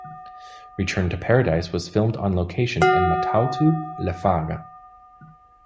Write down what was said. Return to Paradise was filmed on location in Matautu, Lefaga.